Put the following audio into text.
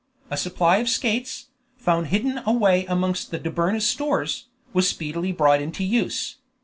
A supply of skates, found hidden away amongst the Dobryna's stores, was speedily brought into use.